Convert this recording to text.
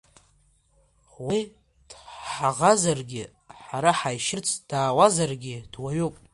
Уи дҳаӷазаргьы, ҳара ҳаишьырц даауазаргьы, дуаҩуп.